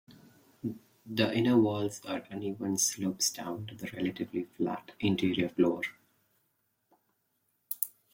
The inner walls are uneven slopes down to the relatively flat interior floor.